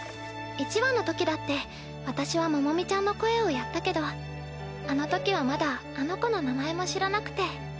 １話のときだって私はモモミちゃんの声をやったけどあのときはまだあの子の名前も知らなくて。